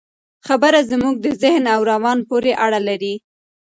خبره زموږ د ذهن او روان پورې اړه لري.